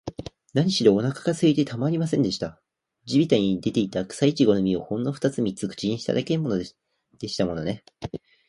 なにしろ、おなかがすいてたまりませんでした。地びたに出ていた、くさいちごの実を、ほんのふたつ三つ口にしただけでしたものね。